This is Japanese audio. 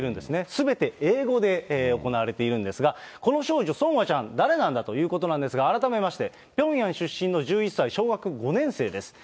すべて英語で行われているんですが、この少女、ソンアちゃん、誰なんだということなんですが、改めまして、ピョンヤン出身の１１歳、小学５年生です。